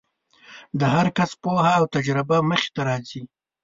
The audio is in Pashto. د هر کس پوهه او تجربه مخې ته راځي.